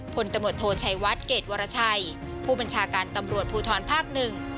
พลตำรวจโทชัยวัดเกรดวรชัยผู้บัญชาการตำรวจภูทรภาคหนึ่ง